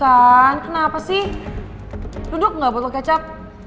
kan kenapa sih duduk gak botol kecap